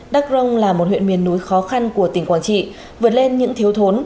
đắk rông là một huyện miền núi khó khăn của tỉnh quảng trị vượt lên những thiếu thốn